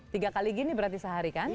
tiga kali gini berarti sehari kan